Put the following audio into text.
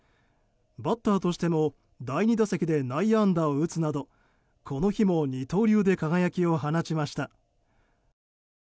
バッターとしても第２打席で内野安打を打つなどこの日も二刀流で輝きを放ちました。